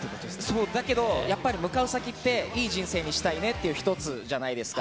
そう、だけどやっぱり、向かう先って、いい人生にしたいねっていう一つじゃないですか。